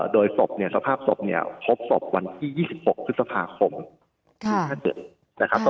โดยสภาพสบพบสบวันที่๒๖พฤษภาคมสุดท้ายเดิม